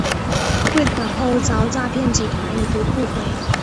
汇款后遭诈骗集团已读不回